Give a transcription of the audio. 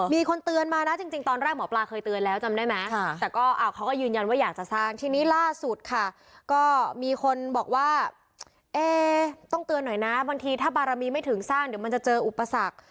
มีคนเตือนมานะจริงตอนแรกหมอปลาเคยเตือนแล้วจำได้ไหมแต่ก็เขาก็ยืนยันว่าอยากจะสร้างทีนี้ล่าสุดค่ะก็มีคนบอกว่าเอ๊ต้องเตือนหน่อยนะบางทีถ้าบารมีไม่ถึงสร้างเดี๋ยวมันจะเจออุปสรรค